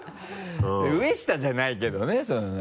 上下じゃないけどねそんな。